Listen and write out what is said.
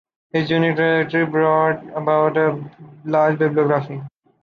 His unique trajectory brought about a large bibliography.